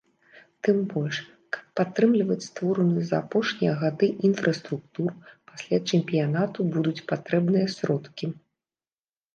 Тым больш, каб падтрымліваць створаную за апошнія гады інфраструктуру, пасля чэмпіянату будуць патрэбныя сродкі.